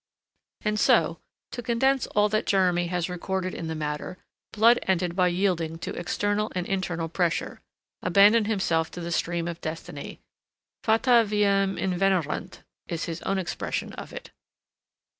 And so, to condense all that Jeremy has recorded in the matter, Blood ended by yielding to external and internal pressure, abandoned himself to the stream of Destiny. "Fata viam invenerunt," is his own expression of it.